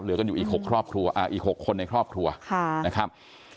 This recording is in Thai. เหลือก็อยู่อีก๖คนในครอบครัวนะครับ